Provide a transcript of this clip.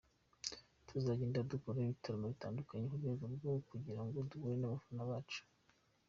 Tuzagenda dukora ibitaramo bitandukanye mu rwego rwo kugira ngo duhure n'abafana bacu.